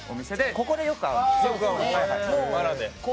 ここでよく会うんですよ。